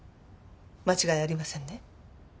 間違いありませんね？